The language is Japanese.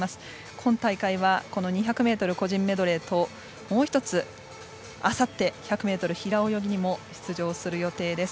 今大会はこの２００ｍ個人メドレーともう１つ、あさって１００ｍ平泳ぎにも出場する予定です。